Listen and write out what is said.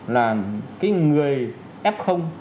là cái người f